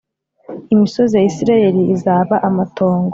imisozi ya isirayeli izaba amatongo